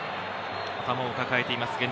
頭を抱えています。